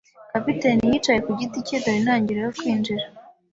Kapiteni yicaye ku giti cye, dore intangiriro yo kwinjira: